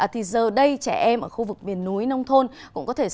thì giờ đây trẻ em ở khu vực biển núi nông thôn cũng có thể sở hữu